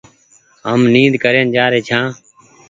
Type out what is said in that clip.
هم نيد ڪرين جآري ڇآن ۔